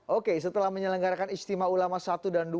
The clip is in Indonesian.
oke setelah menyelenggarakan istimewa ulama satu dan dua